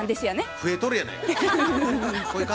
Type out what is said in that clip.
増えとるやないか。